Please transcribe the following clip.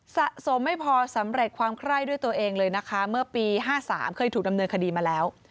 สะสมไม่พอสำเร็จความไคร้ด้วยตัวเองเลยนะคะเมื่อปี๕๓เคยถูกดำเนินคดีมาแล้ว